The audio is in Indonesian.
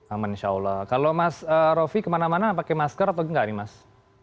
aman insya allah kalau mas rofi kemana mana pakai masker atau enggak nih mas